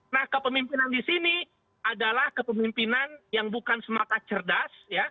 nah kepemimpinan di sini adalah kepemimpinan yang bukan semata cerdas